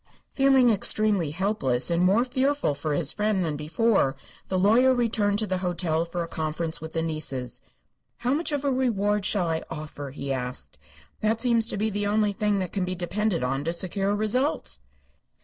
Feeling extremely helpless and more fearful for his friend than before, the lawyer returned to the hotel for a conference with the nieces. "How much of a reward shall I offer?" he asked. "That seems to be the only thing that can be depended upon to secure results."